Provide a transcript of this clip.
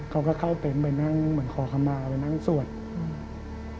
เขาก็เข้าเต็นต์ไปนั่งเหมือนขอคำมาไปนั่งสวดอืม